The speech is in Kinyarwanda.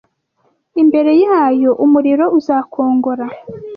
Imbere yayo umuriro uzakongora